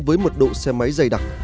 với một độ xe máy dày đặc